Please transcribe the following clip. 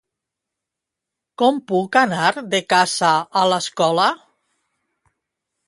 Com puc anar de casa a l'escola?